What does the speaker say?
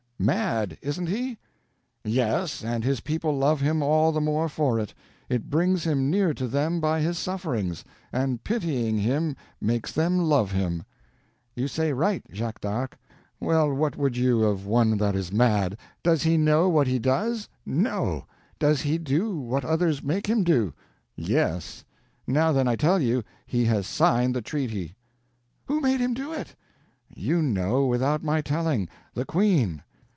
Mad, isn't he?" "Yes, and his people love him all the more for it. It brings him near to them by his sufferings; and pitying him makes them love him." "You say right, Jacques d'Arc. Well, what would you of one that is mad? Does he know what he does? No. Does he do what others make him do? Yes. Now, then, I tell you he has signed the treaty." "Who made him do it?" "You know, without my telling. The Queen."